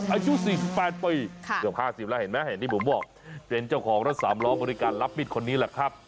อายุ๔๘ปีเกือบ๕๐แล้วเห็นไหมเห็นที่ผมบอกเป็นเจ้าของรถสามล้อบริการรับมิดคนนี้แหละครับ